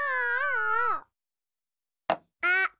あっ。